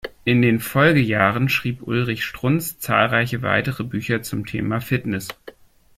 In den Folgejahren schrieb Ulrich Strunz zahlreiche weitere Bücher zum Thema Fitness.